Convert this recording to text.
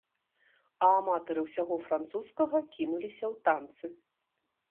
А аматары ўсяго французскага кінуліся ў танцы.